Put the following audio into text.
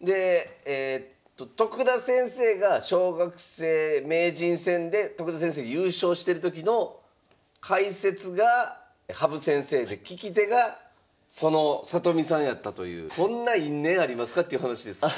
でえと徳田先生が小学生名人戦で徳田先生が優勝してる時の解説が羽生先生で聞き手がその里見さんやったというこんな因縁ありますかっていう話ですよね。